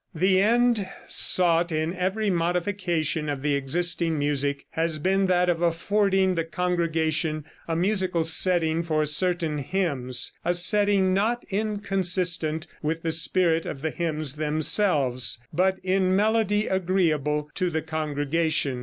The end sought in every modification of the existing music has been that of affording the congregation a musical setting for certain hymns a setting not inconsistent with the spirit of the hymns themselves, but in melody agreeable to the congregation.